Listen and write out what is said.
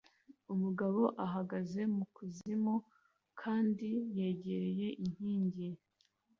Umugabo ahagaze mukuzimu kandi yegereye inkingi